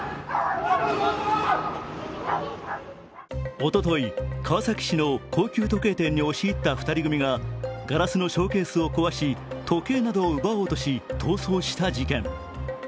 おととい、川崎市の高級時計店に押し入った２人組がガラスのショーケースを壊し時計などを奪おうとし逃走した事件。